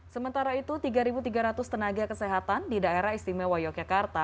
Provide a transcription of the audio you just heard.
sementara itu tiga tiga ratus tenaga kesehatan di daerah istimewa yogyakarta